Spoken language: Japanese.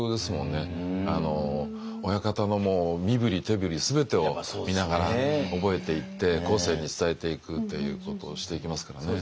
あの親方の身振り手振り全てを見ながら覚えていって後世に伝えていくということをしていきますからね。